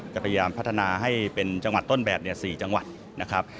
จะพยายามพัฒนาให้เป็นจังหวัดต้นแบบ๔จังหวัดนะครับ